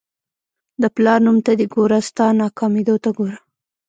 د پلار نوم ته دې ګوره ستا ناکامېدو ته ګوره.